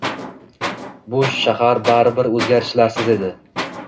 Bu shahar baribir o’zgarishlarsiz edi.